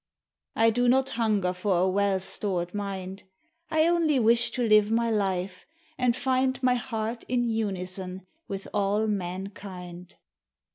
I do not hunger for a well stored mind; I only wish to live my life, and find My heart in unison with all mankind.